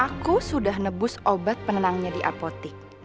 aku sudah nebus obat penenangnya di apotik